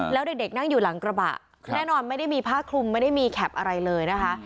แล้วเด็กนั่งอยู่หลังกระบะแน่นอนไม่ได้มีผ้าคลุมไม่ได้มีแคปอะไรเลยนะคะ